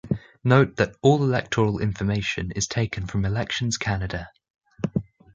Note that all electoral information is taken from Elections Canada.